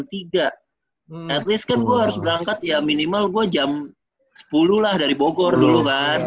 at least kan gue harus berangkat ya minimal gue jam sepuluh lah dari bogor dulu kan